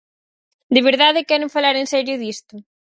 ¿De verdade queren falar en serio disto?